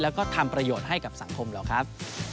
แล้วก็ทำประโยชน์ให้กับสังคมเราครับ